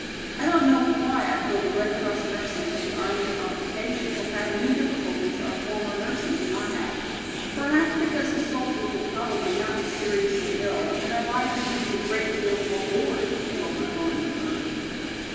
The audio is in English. I don't know why I feel the Red Cross nursing with the army of occupation will have new difficulties our former nursing did not have. Perhaps because the soldiers will probably not be seriously ill and are likely to be a great deal more bored," Mildred Thornton urged.